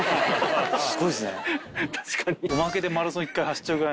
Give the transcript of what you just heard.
すごいですね。